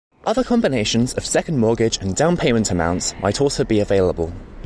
Other combinations of second mortgage and downpayment amounts might also be available.